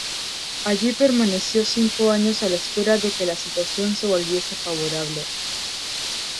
Allí permaneció cinco años a la espera de que la situación se volviese favorable.